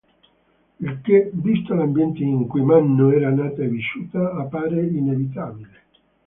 Il che, visto l'ambiente in cui Manon era nata e vissuta, appare inevitabile.